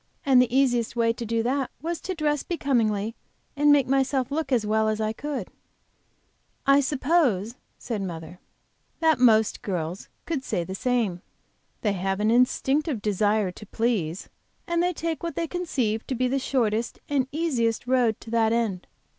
And the easiest way to do that was to dress becomingly and make myself look as well as I could." "I suppose," said mother, "that most girls could say the same. They have an instinctive desire to please, and they take what they conceive to be the shortest and easiest road to that end.